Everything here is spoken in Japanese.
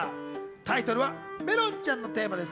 タイトルは『めろんちゃんのテーマ』です。